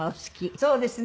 そうですね。